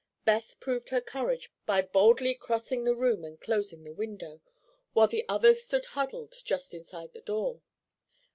Beth proved her courage by bolding crossing the room and closing the window, while the others stood huddled just inside the door.